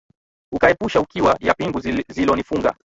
Ukauepusha ukiwa, ya pingu zilonifunga